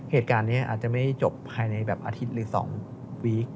เหตุการณ์นี้อาจจะไม่จบภายในแบบอาทิตย์หรือ๒วีค